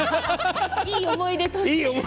いい思い出として。